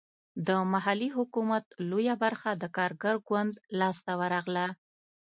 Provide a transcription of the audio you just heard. د محلي حکومت لویه برخه د کارګر ګوند لاسته ورغله.